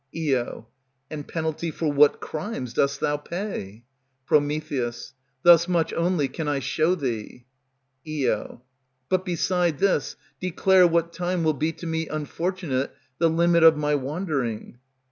Io. And penalty for what crimes dost thou pay? Pr. Thus much only can I show thee. Io. But beside this, declare what time will be To me unfortunate the limit of my wandering.